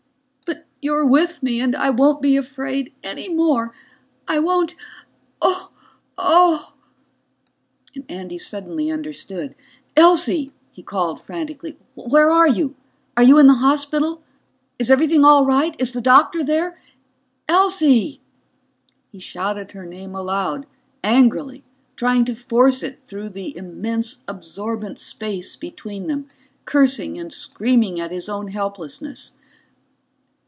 But you're with me and I won't be afraid any more. I won't ... oh ... oh ..."Andy suddenly understood. "Elsie," he cried frantically. "Where are you? Are you in the hospital? Is everything all right? Is the doctor there? Elsie!" He shouted her name aloud, angrily, trying to force it through the immense absorbent space between them, cursing and screaming at his own helplessness.